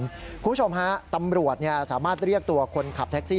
คุณผู้ชมฮะตำรวจสามารถเรียกตัวคนขับแท็กซี่